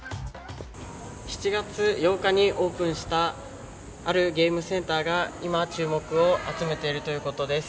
７月８日にオープンしたあるゲームセンターが今注目を集めているということです。